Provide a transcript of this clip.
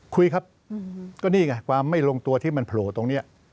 คุยครับก็นี่ไงความไม่ลงตัวที่มันโผล่ตรงนี้